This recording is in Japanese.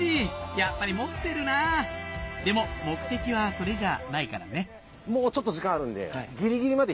やっぱり持ってるなぁでも目的はそれじゃないからねもうちょっと時間あるんで。